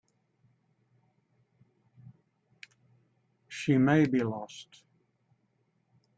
She may be lost.